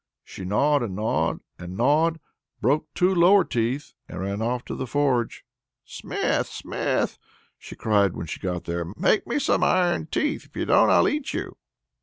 She gnawed, and gnawed, and gnawed broke two lower teeth, and ran off to the forge. "Smith, smith!" she cried when she got there, "make me some iron teeth; if you don't I'll eat you!"